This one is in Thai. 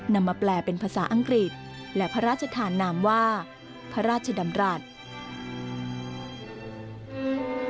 นำมาแปลเป็นภาษาอังกฤษและพระราชธานามว่าพระราชดำรัฐ